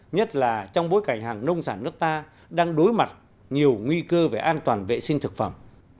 nhất là trong bối cảnh hàng nông sản nước ta đang đối mặt nhiều nguy cơ về an toàn vệ sinh thực phẩm